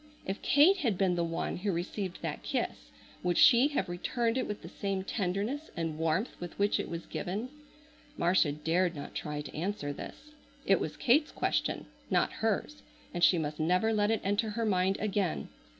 If Kate had been the one who received that kiss would she have returned it with the same tenderness and warmth with which it was given? Marcia dared not try to answer this. It was Kate's question, not hers, and she must never let it enter her mind again.